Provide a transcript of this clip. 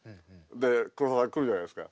で黒澤さん来るじゃないですか。